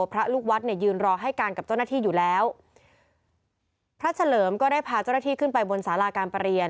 พระลูกวัดเนี่ยยืนรอให้การกับเจ้าหน้าที่อยู่แล้วพระเฉลิมก็ได้พาเจ้าหน้าที่ขึ้นไปบนสาราการประเรียน